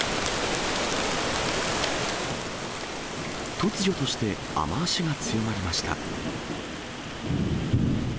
突如として雨足が強まりました。